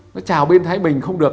nó chào bên thái bình không được